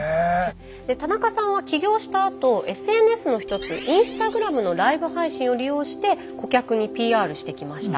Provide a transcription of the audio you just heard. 田中さんは起業したあとＳＮＳの一つインスタグラムのライブ配信を利用して顧客にＰＲしてきました。